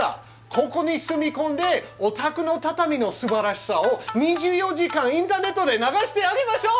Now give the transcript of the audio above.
ここに住み込んでお宅の畳のすばらしさを２４時間インターネットで流してあげましょう。